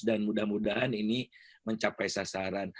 dan mudah mudahan ini mencapai sasaran